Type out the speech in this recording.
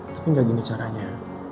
tapi gak gini caranya